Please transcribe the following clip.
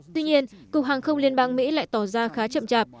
tuy nhiên cục hàng không liên bang mỹ lại tỏ ra khá chậm chạp